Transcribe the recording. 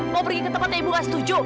mau pergi ke tempatnya ibu gak setuju